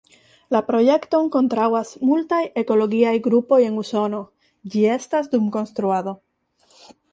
La projekton kontraŭas multaj ekologiaj grupoj en Usono, ĝi estas dum konstruado.